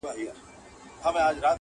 چي یو زه وای یوه ته وای!.